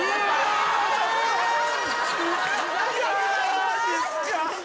マジっすか？